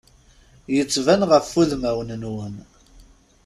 Yettban ɣef udmawen-nwen.